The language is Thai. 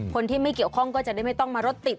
คนที่ไม่เกี่ยวข้องก็จะได้ไม่ต้องมารถติด